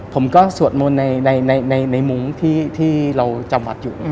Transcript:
ผมก็ลงนี้วันโกนในมุงที่เราจำบัดอยู่